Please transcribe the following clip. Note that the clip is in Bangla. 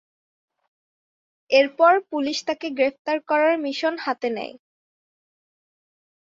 এরপর, পুলিশ তাকে গ্রেফতার করার মিশন হাতে নেয়।